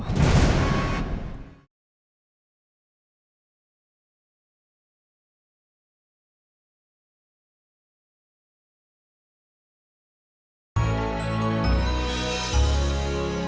sampai jumpa lagi